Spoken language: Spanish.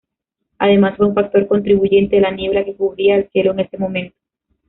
Además, fue un factor contribuyente la niebla que cubría el cielo en ese momento.